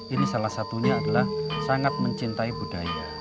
ini salah satunya adalah sangat mencintai budaya